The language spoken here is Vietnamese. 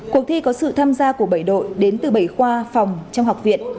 cuộc thi có sự tham gia của bảy đội đến từ bảy khoa phòng trong học viện